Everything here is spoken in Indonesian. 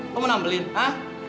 lo menambelin ha